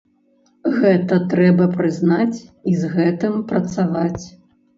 Гэта трэба прызнаць, і з гэтым працаваць.